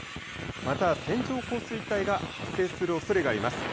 また線状降水帯が発生するおそれがあります。